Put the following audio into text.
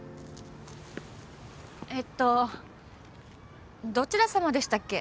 えっとどちらさまでしたっけ？